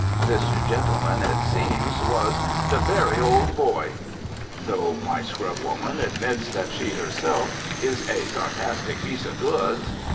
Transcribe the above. This gentleman, it seems, was "the very Old Boy." Though my scrubwoman admits that she herself is "a sarcastic piece of goods."